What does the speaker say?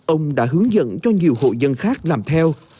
ông đã hướng dẫn cho nhiều hộ dân khác làm theo